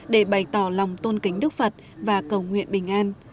để bày tỏ lòng tôn kính đức phật và cầu nguyện bình an